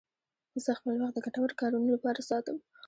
زه خپل وخت د ګټورو کارونو لپاره ساتم.